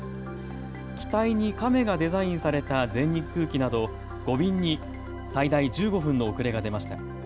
機体にカメがデザインされた全日空機など５便に最大１５分の遅れが出ました。